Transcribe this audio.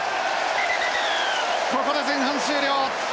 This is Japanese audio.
ここで前半終了。